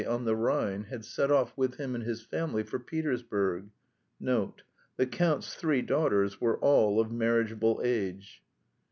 on the Rhine, had set off with him and his family for Petersburg. (N.B. The Count's three daughters were all of marriageable age.)